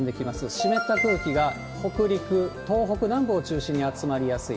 湿った空気が北陸、東北南部を中心に集まりやすい。